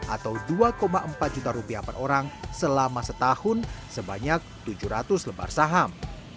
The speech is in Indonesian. atau dua empat juta rupiah per orang selama setahun sebanyak tujuh ratus lembar saham